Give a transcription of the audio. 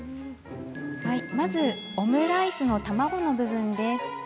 まず、オムライスの卵の部分。